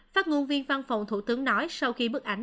phát ngôn viên văn phòng thủ tướng nói sau khi bức ảnh